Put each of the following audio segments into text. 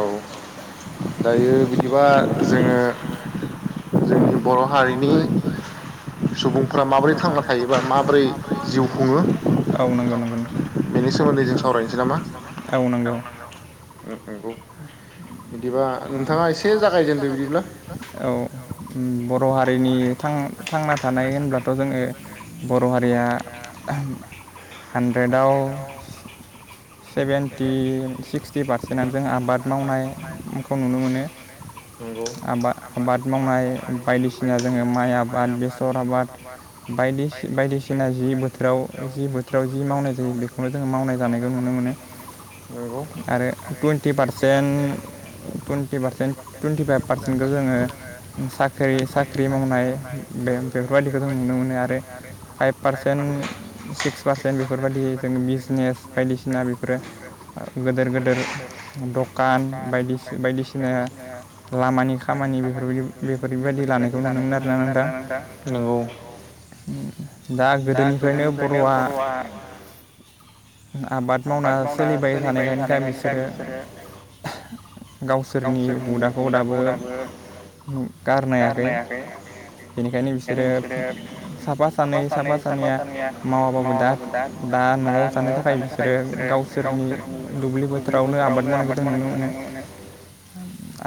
औ दायो बिदिबा जोङो जोंनि बर' हारिनि सुबुंफोरा माबोरै थांना थायोबा माबोरै जिउ खुङो बेनि सोमोन्दै जों सावरायनोसै नामा औ नंगौ [inaudible] बिदिबा नोंथाङा एसे जागाय जेनदो औ बर' हारिनि थांना थानाय होनब्लाथ' जोङो बर' हारिया हानद्रेदाव सेभेन्टि सिक्सटि पारसेन्टनानो जोंहा आबाद आबाद मावनायखौ नुनो मोनो नंगौ आबाद मावनाय बायदि जोङो माइ आबाद बेसर आबाद बायदि बायदिसिना जि बोथोराव जि बोथोराव बोथोराव जि मावनायखौ नुयो बेखौनो जों मावनाय जानायखौ नुनो मोनो नोंगौ [inaudible] आरो टुइन्टि पारसेन्ट। सेन। टुइन्टिपारसेन्ट टुइेन्टिफाइभ पारसेन्टखौ जोङो साख्रि साख्रि मावनाय बे। बेफोरबायदिखौ जों नुनो मोनो आरो। फाइभ पारसेन्ट सिक्स पारसेन्ट बेफोरबदि जों बिजनेस बायदिसिना बेफोरो। गोदोर गोदोर दकान। दखान बायदि बायदिसिना। खामानि खामानि बेफोर बेफोरबायदि लानायखौ नुनोमोन आरोना नोंथा नंगौ। दा गोदोनिफ्रायनो बर'आ। आबाद मावना सोलिबाय थानायानायखायनोखाय बिसोरो। गावसोरनि हुदाखौ दाबो। गारनायाखै बेनिखायनो बिसोरो। साफा सानै साफा सानैया मावाबाबो दा दा न'आव जानो थाखाय। नाथाय बिसोरो गावसोरनि दुब्लि बोथोरावनो आबाद मावनायखौ जों नुनो मोनो।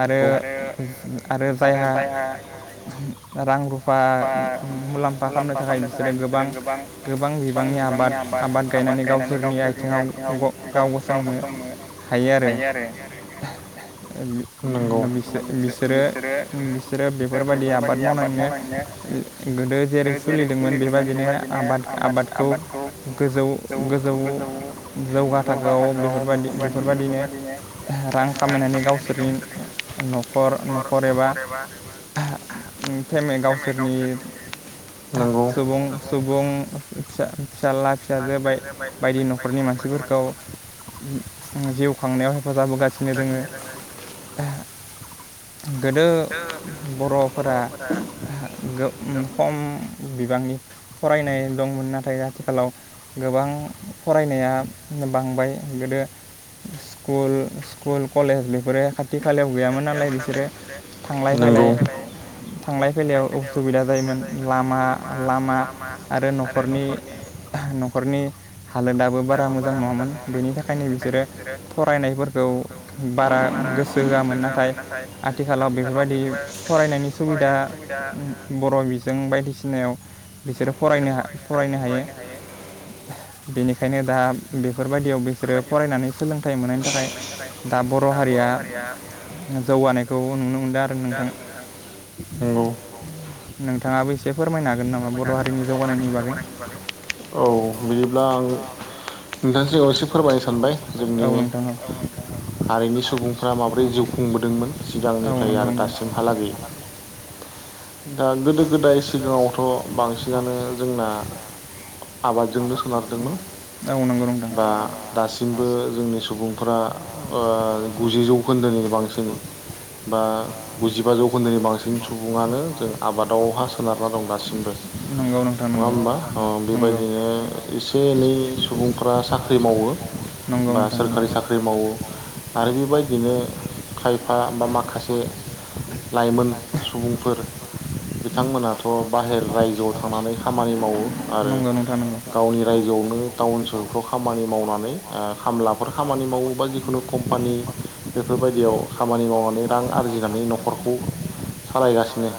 आरो आरो जायहा। रां रुफा मुलाम्फा खालामनो थाखाय बिसोरो गोबां गोबां बिबांनि। आबाद गायनानै गावसोरनि आथिङाव गाव। गसंनो हायो आरो। बिसोरो बिसोरो बेफोरबायदि आबाद मावनानैनो। गोदो जेरै सोलिदोंमोन बेबादिनो आबाद आबादखौ गोजौ गोजौ। जौगा थाखो आव बेफोरबादि बेफोरबायदिनो रां खामायनानै गावसोरनि। नख'र न'खर एबा फेमे गावसोरनि। सुबुं सुबुं फिसा फिसाला। फिसाजोआ बाय-बायदि न'खरनि मानसिफोरखौ उ-उम जिउ खांनायाव हे हेफाजाब होगासिनो दोङो आह गोदो ओ बर'फोरा। हा गो उम खम बिबांनि। फरायनाय दंमोन नाथाय आथिखालाव गोबां फरायनाया बांबाय। गोदो स्कुल स्कुल कलेज बेफोरो खाथ खाथि खालायाव गैयामोन नालाय बिसोरो थांलाय फैलाय। थांलाय फैलायाव उसुबिदा जायोमोन लामा लामा आरो न'खरनि न'खरनि हालोदाबो बारा मोजां नङामोन। बेनि थाखायनो बिसोरो फरायनायफोरखौ बारा गोसो होआमोन नाथाय आ आथिखालाव बेफोरबायदि फरायनायनि सुबिदा उम बर' बिजों बायदिसिनायाव बिसोरो फरायनो हा फरायनो हायो बेनिखायनो दा बेफोर बायदियाव बिसोरो फरायनानै सोलोंथाइ मोन्नायनि थाखाय दा बर' हारिया जौगानायखौ नुनो मोनदों आरो नोंथां नोंथाङाबो एस औ बिदिब्ला आं नोंथांनि सिगाङाव एसे फोरमायनो सानबाय जोंनि हारिनि सुबुंफोरा माबोरै जिउ खुंबोदोंमोन सिगांनिफ्राय आरो दासिमहालागै। [inaudible] दा गोदो गोदाय सिगाङावथ' बांसिनानो जोंना आबादजोंनो सोनारदोंमोन दा दासिमबो जोंनि सुबुंफोरा आ ओ गुजि जौखोन्दोनि बांसिन। बा गुजिबा जौखोन्दोनि बांसिन सुबुंआनो जों आबादावहा सोनारना दं दासिम। सिमबो। नङा होमबा अ' बेबायदिनो एसे एनै सुबुंफ्रा साख्रि मावो। बा सोरखारि साख्रि मावो। आरो बेबायदिनो खायफा बा माखासे लाइमोन सुबुंफोर बिथांमोनाथ' बाहेर रायजोआव थांनानै खामानि मावो आरो गावनि रायजोयावनो टाउन सोहोरफ्राव खामानि मावनानै ओ खामलाफोर खामानि मावो बा जिखुनु कम्पानि बेफोरबायदियाव खामानि मावनानै रां आरजिनानै न'खरखौ सालायगासिनो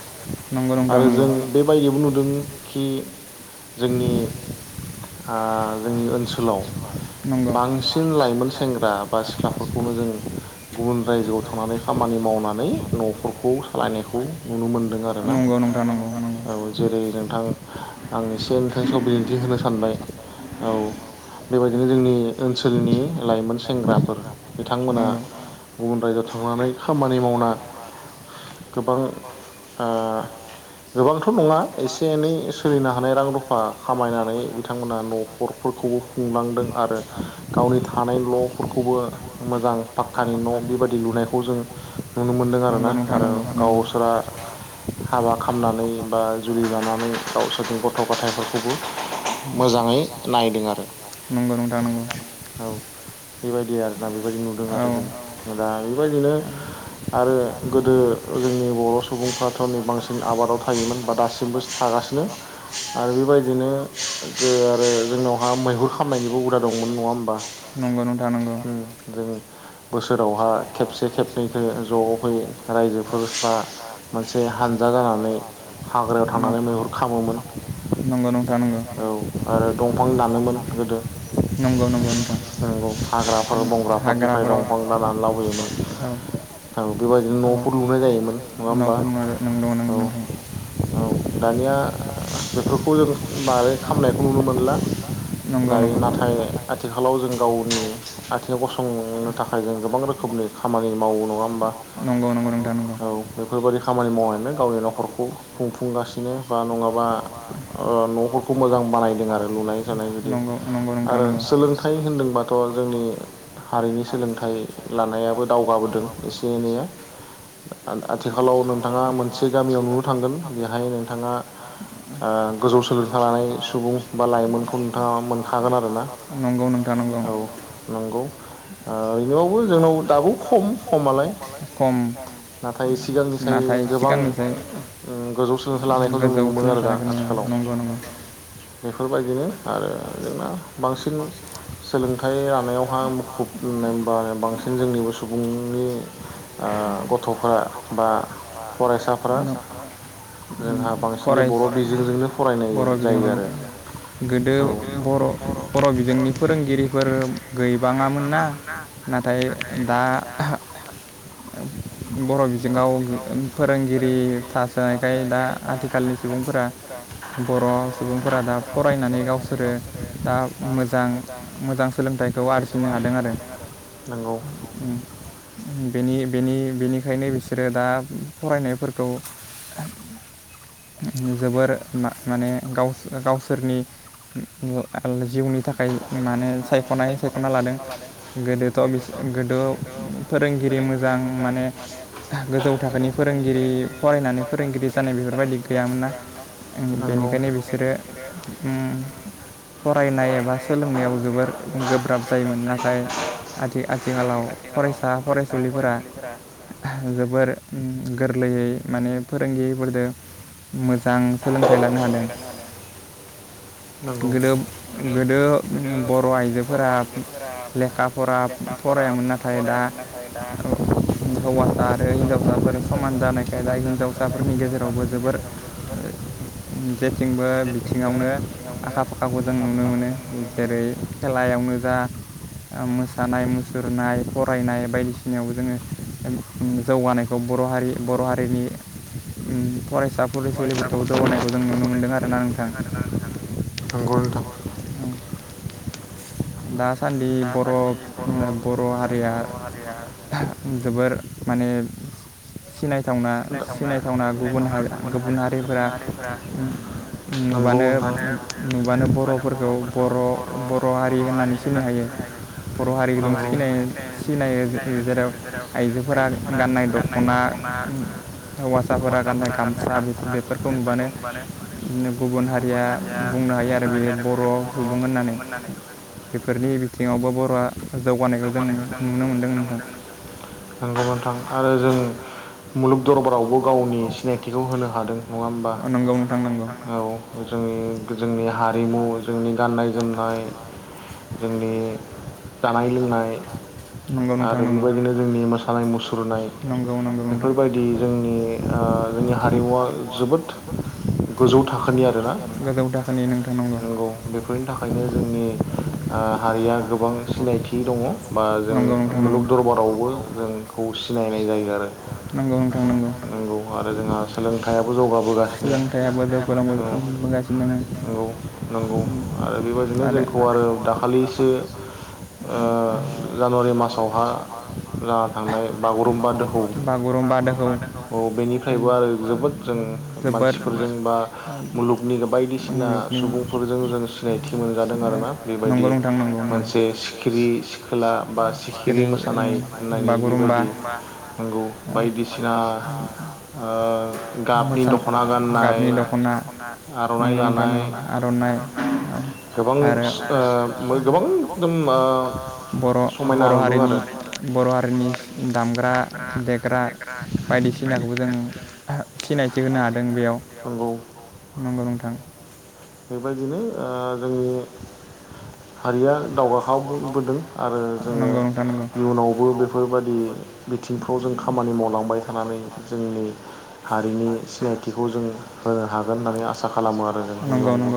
नंगौ नोंथां नंगौ। बायदिबो नुदों खि जोंनि आ जोंनि ओनसोलाव। बांसिन लाइमोन सेंग्रा बा सिख्लाफोरखौनो जों गुबुन रायजोआव थानानै खामानि मावनानै न'खरखौ सालायनायखौ नुनो मो नंगौ नोंथां नंगौ नंगौ। औ जेरै नोंथां आं एसे नोंथांनि सिगाङाव बिदिन्थि होनो सानबाय औ। बेबायदिनो जोंनि ओनसोलनि लाइमोन सेंग्राफोर बिथांमोना गुबुन रायजोआव थांनानै खामानि मावना गोबां आ गोबांथ' नङा एसे एनै सोलिनो हानाय रां रुफा खामायनानै बिथांमोना न'खरफोरखौ खुंलांदों आरो गावनि थानाय ल'फोरखौबो मोजां पाक्कानि न' बेबादि लुनायखौ जों नुनो मोन दों आरोना आरो गावसोरा हाबा खाम नानै बा जुलि लानानै गावसोरनि गथ' गथायफोरखौबो मोजाङै नायदों आरो नोंगौ नोंथां नोंगो। औ बेबायदि आरोना बेबायदि नुदों आरो जों औ दा बेबायदिनो आरो गोदो जोंनि बर' सुबुंफ्राथ' नै बांसिन न आबादाव थायोमोन बा दासिमबो सागासिनो आरो बेबायदिनो गो आरो जोंनावहा मैहुर खामनायनिबो हुदा दंमोन नङा होमबा नंगौ नोंथां नंगौ जों बोसोरावहा खेबसे खेबनैखो जहै रायजोफोर बा मोनसे हानजा जानानै हाग्रायाव थांनानै मैहुर खामोमोन औ आरो दंफां दानोमोन गोदो नंगौ नंगौ नोंथां नंगौ हाग्राफ्राव बंग्राफोरनिफ्राय दंफां दाननानै लाबोयोमोन। औ औ बेबायदिनो नफोर लुनाय जायोमोन। नफोर [inaudible] नंगौ औ औ दानिया बेफोरखौ जों बाद्राय खालामनायखौ नुनो मोनला दायो नाथाय आ थिखालाव जों गावनि आथिङाव गसंनो थाखाय जों गोबां रोखोमनि खामानि मावो नङा होमबा नंगौ नंगौ नोंथां औ बेफोर बायदि खामानि मावनायलाय गावनि न'खरखौ खुंफुंगासिनो बा नङाबा ओ न'फोरखौ मोजां बानायदों आरो खुनाय जानाय बायदि आरो सोलोंथाइ होनदोंबाथ जोंनि हारिनि सोलोंथाइ लानायाबो दावगाबोदों एसे एनैया आ-आथिखालाव नोंथाङा मोनसे मोनसे गामियाव नुनो थांगोन बेहाय नोंथाङा ओ गोजौ सोलोंथाइ लानाय सुबुं बा खन्था मोनखागोन आरोना नंगौ नोंथां औ नंगौ औ बेयावबो जोंनाव दाबो खम खमा नाथाय सिगांनिसाय गोबां ओ गोजौ सोलोंथाइ लानायखौ जों नुनो मोनो आरो ना आथिखालाव बेफोरबायदिनो आरो जोंना बांसिन सोलोंथाइ लानायावहा मुखुब होननायबा बांसिन जोंनिबो सुबुंनि ओ गथ'फोरा बा फरायसा [inaudible] फराय बर' बिजोंजों गोदो बर' बर' बिजोंनि फोरोंगिरि बोर गैबाङामोन ना नाथाय दा [unintelligible] बर' बिजोङाव फोरोंगिरि थासोनायखाय दा आथिखाल नि सुबुंफोरा बर' सुबुंफोरा दा फरायनानै गावसोरो दा मोजां [unintelligible] मोजां सोलोंथाइखौ आरजिनो हादों आरो [unintelligible] बेनि-बेनि-बेनिखायनो बिसोरो दा फरायनायफोरखौ जोबोर मा-माने गावस-गावसोरनि [unintelligible] जिउनि थाखाय माने सायख'नाय सायख'ना लादों गोदोथ' बिस गोद' फोरोंगिरि मोजां माने गोजौ थाखोनि फोरोंगिरि फरायनानै फोरोंगिरि जानाय बेफोर बायदि गैयामोन ना ओं बेनिखायनो बिसोरो उम फरायनाय एबा सोलोंनायाव जोबोर गोब्राब जायोमोन नाथाय आथि-आथिखालाव फरायस फरायसुलिफोरा जोबोर उम गोरलैयै माने फोरोंगिरिफोरदो मोजां सोलोंथाइ लानो हादों गोदो गोदो बर' आइजोफोरा लेखा फरा फर रायामोन नाथाय दा ओमफाय दा हौवासा आरो हिनजावसाफोर समान जानायखाय हिनजावसाफोरनि गेजेरावबो जोबोर [unintelligible] जेथिंबो बिथिङावनो आखा फाखाखौ जों नुनो मोनो जेरै खेलायाव मोजा ओ मोसानाय मुसुरनाय फरायनाय बायदिसिनायावबो जोङो उम जौगानायखौ बर' हारि बर' हारिनि उम फरायसा फरायसुलिफोरखौ जौगानायखौ जों नुनो मोनदों आरोना नोंथां दासान्दि बर' नो बर' हारिया जोबोर माने सिनायथावना-सिनायथावना गुबुन हारिआ गुबुन हारिफोरा उम नुबानो-नुबानो बर'फोरखौ बर'-बर' हारि रि होननानै सिनाय हायो बर' हारिजों सिनाय सिनायो जेराव आइजोफोरा गाननाय दख'ना हौवासाफोरा गाननाय गामसा बेफोर बेफोरखौ नुबानो उम गुबुन हारिया बुंनो हायो आरो बेयो बर' सुबुं होननानै बेफोर फोरनि बिथिङावबो बर'आ जौगानायखौ जों नुनो मोनदों नोंथां नोंगौ नोंथां आरो जों मुलुग दरबारावबो गावनि सिनायथिखौ होनो हादों नङा होमबा नंगौ नोंथां नंगौ औ जोंनि जोंनि हारिमु जोंनि गाननाय जोमनाय जोंनि जानाय लोंनाय आरो बेबायदिनो जोंनि मोसानाय मुसुरनाय बेफोरबा बायदि जोंनि आ जोंनि हारिमुवा जोबोद गोजौ थाखोनि आरोना गोजौ थाखोनि नोंगौ नोंगौ बेफोरनि थाखायनो जोंनि आ हारिया गोबां सिनायथि दङ' बा जों मुलुग दरबारावबो जोंखौ सिनायनाय जायो आरो नंगौ नोंथां नंगौ। नोंगौ आरो जोंहा सोलोंथयाव जौगाबोगासिनो सोलोंथाइयाबो जौगाबोगासिनो [unintelligible] औ नंगौ आरो बेबायदिनो जोंखौ आरो दाखालिसो ओ जानुवारि मासावहा जाना थांनाय बागुरुम्बा दोहौ बागुरुम्बा दोहौ औ बेनिफ्रायबो आरो जोबोद जों मानसिफोरजों बा मुलुगनि बायदिसिना सुबुंफोरजों जों सिनायथि मोनजादों आरोना बेबायदि नंगौ नोंथां मोनसे सिखिरि सिखोला बा सिखिरि मोसानाय होननायनि बेबायदि नोंगौ बायदिसिना ओ मोसानाय गाबनि दख'ना नोंगौ नोंथां नोंगौ आर'नाइ औ। आरो बर' बर' हारिनि बर' हारिनि दामग्रा देग्रा। बायदिसिनाखौबो जों सिनायथि होनो हादों बेयाव। नोंथां। बेबायदिनो आ जोंनि हारिया दावगाखांबोदों आरो जोङो इयुनावबो बेफोरबादि। बिथिंफ्राव जों खामानि मावलांबाय थानानै जोंनि। हारिनि सिनायथिखौ जों होनो हागोन होननानै आसा खालामो आरो जों नियावबो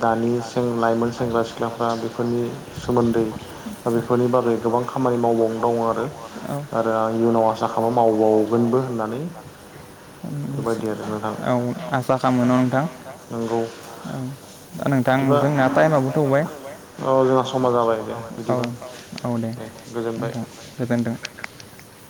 दानि सें लाइमोन सेंग्रा सिख्लाफ्रा बे बा बेफोर नि सोमोन्दै बा बेफोरनि बागै गोबां खामानि मावबावो मावो आरो औ। आरो आं इयनाव आसा खालामो मावबावगोनबो होननानै। ओं औ आसा खाममो न नोंथां। ओं दा नोंथां जोंना टाइमाबो थौबाय। औ जोंहा समा जाबाय। औ औ दे नोंथां गोजोनथों। [inaudible]